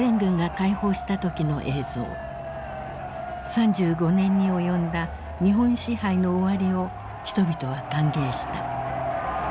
３５年に及んだ日本支配の終わりを人々は歓迎した。